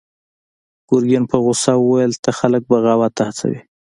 ګرګين په غوسه وويل: ته خلک بغاوت ته هڅوې!